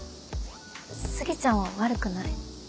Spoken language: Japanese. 杉ちゃんは悪くない。